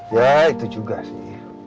ya itu juga sih